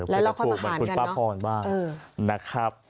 และเราควรมาทานกันเนอะนะครับคุณป้าพรบ้าง